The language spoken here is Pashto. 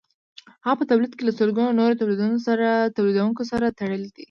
هغه په تولید کې له سلګونو نورو تولیدونکو سره تړلی دی